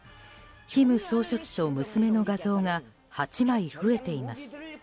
金総書記と娘の画像が８枚増えています。